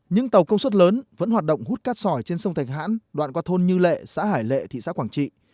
những tàu công suất lớn vẫn hoạt động hút cát sỏi trên sông thạch hãn đoạn qua thôn như lệ xã hải lệ thị xã quảng trị